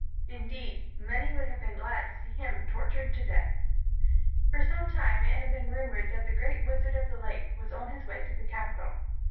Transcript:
Indeed, many would have been glad to see him tortured to death. For some time it had been rumored that the great wizard of the lake was on his way to the capital.